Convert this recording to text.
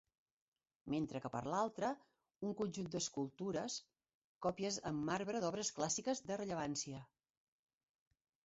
Mentre que per l’altra, un conjunt d’escultures, còpies en marbre d’obres clàssiques de rellevància.